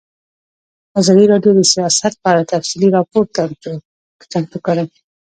ازادي راډیو د سیاست په اړه تفصیلي راپور چمتو کړی.